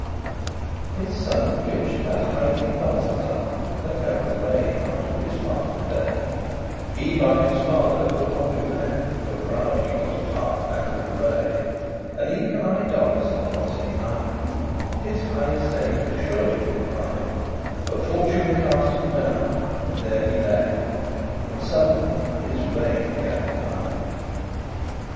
His sone, which that highte BALTHASAR, That *held the regne* after his father's day, *possessed the kingdom* He by his father coulde not beware, For proud he was of heart and of array; And eke an idolaster was he aye. His high estate assured* him in pride; *confirmed But Fortune cast him down, and there he lay, And suddenly his regne gan divide.